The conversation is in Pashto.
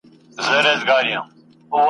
شرنګاشرنګ به د رباب او د پایل وي !.